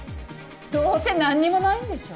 どうせ何にもないんでしょ。